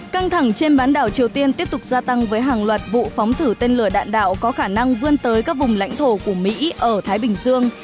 căng thẳng trên bán đảo triều tiên tiếp tục gia tăng với hàng loạt vụ phóng thử tên lửa đạn đạo có khả năng vươn tới các vùng lãnh thổ của mỹ ở thái bình dương